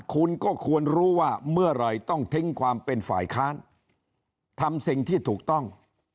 คุณก็ควรรู้ว่าเมื่อไหร่ต้องทิ้งความเป็นฝ่ายค้านทำสิ่งที่ถูกต้อง